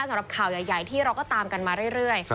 สำหรับข่าวใหญ่ที่เราก็ตามกันมาเรื่อย